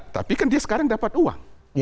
tapi kan dia sekarang dapat uang